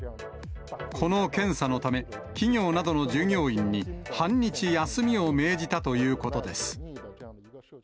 この検査のため、企業などの従業員に、半日休みを命じたということです。